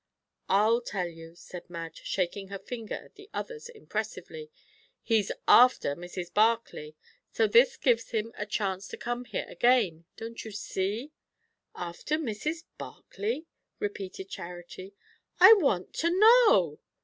"I'll tell you," said Madge, shaking her finger at the others impressively. "He's after Mrs. Barclay. So this gives him a chance to come here again, don't you see?" "After Mrs. Barclay?" repeated Charity. "I want to know!"